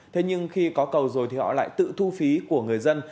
thế nhưng khi có cầu rồi thì họ lại tự thu phí của người dân